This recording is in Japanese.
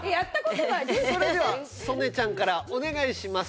それでは曽根ちゃんからお願いします。